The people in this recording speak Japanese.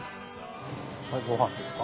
ご飯ですか？